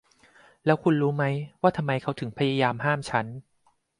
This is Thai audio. แล้วคุณรู้ไหมว่าทำไมเขาถึงพยายามห้ามฉัน ?